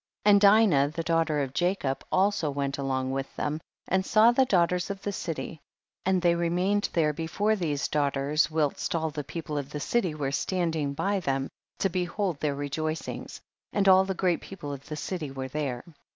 6. And Dinah the daughter of Jacob also went along with them and saw the daughters of the city, and they remained there before these daughters whilst all the people of the city were standing by them to be hold their rejoicings, and all the great people of the city were there.